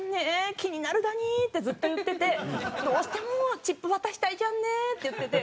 「気になるだに」ってずっと言ってて「どうしてもチップ渡したいじゃんね」って言ってて。